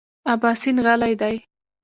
اباسین غلی دی .